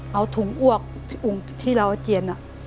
เอาถุงอวกที่เราเจียน